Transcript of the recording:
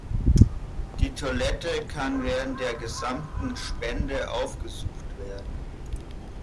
Die Toilette kann während der gesamten Spende aufgesucht werden.